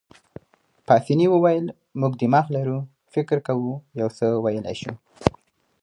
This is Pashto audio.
پاسیني وویل: موږ دماغ لرو، فکر کوو، یو څه ویلای شو.